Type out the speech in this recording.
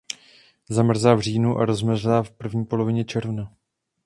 Zamrzá v říjnu a rozmrzá v první polovině června.